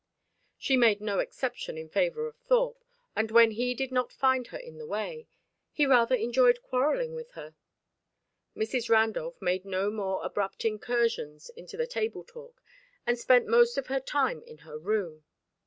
She made no exception in favour of Thorpe, and when he did not find her in the way, he rather enjoyed quarrelling with her. Mrs. Randolph made no more abrupt incursions into the table talk and spent most of her time in her room.